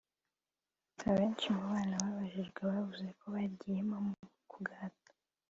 benshi mu bana babajijwe bavuze ko bagiyemo ku gahato